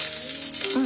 うん。